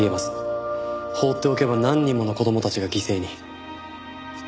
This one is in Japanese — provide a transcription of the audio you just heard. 放っておけば何人もの子供たちが犠牲に。